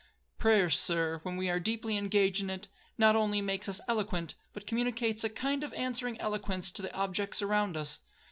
Prayer, Sir, when we are deeply engaged in it, not only makes us eloquent, but communicates a kind of answering eloquence to the objects around us.